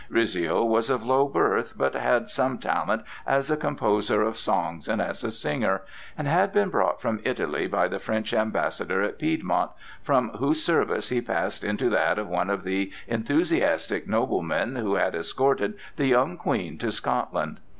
Rizzio was of low birth, but had some talent as a composer of songs and as a singer, and had been brought from Italy by the French Ambassador at Piedmont, from whose service he passed into that of one of the enthusiastic noblemen who had escorted the young Queen to Scotland.